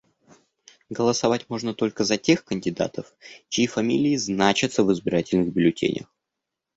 Голосовать можно только за тех кандидатов, чьи фамилии значатся в избирательных бюллетенях.